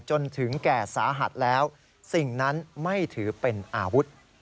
จนถึงแก่สาหัสแล้วสิ่งนั้นไม่ถือเป็นอาวุธ